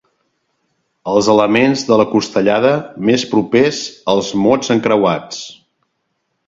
Els elements de la costellada més propers als mots encreuats.